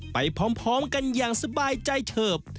ไปพร้อมกันอย่างสบายใจเถิบ